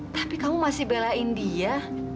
tapi kamu masih belain dia